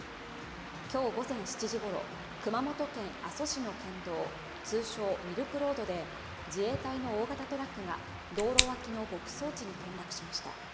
今日午前７時ごろ、熊本県阿蘇市の県道通称・ミルクロードで自衛隊の大型トラックが道路脇の牧草地に転落しました。